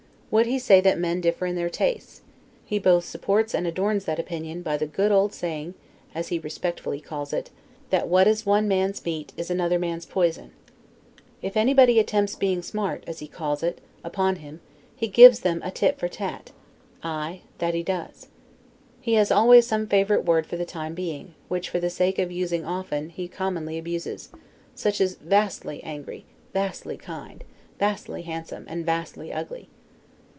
Would he say that men differ in their tastes; he both supports and adorns that opinion by the good old saying, as he respectfully calls it, that WHAT IS ONE MAN'S MEAT, IS ANOTHER MAN'S POISON. If anybody attempts being SMART, as he calls it, upon him, he gives them TIT FOR TAT, aye, that he does. He has always some favorite word for the time being; which, for the sake of using often, he commonly abuses. Such as VASTLY angry, VASTLY kind, VASTLY handsome, and VASTLY ugly.